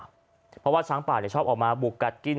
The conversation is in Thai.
เพราะว่าช้างป่าชอบออกมาบุกกัดกิน